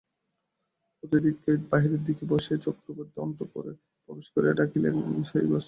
অতিথিদিগকে বাহিরের ঘরে বসাইয়া চক্রবর্তী অন্তঃপুরে প্রবেশ করিয়া ডাকিলেন, সেজবউ!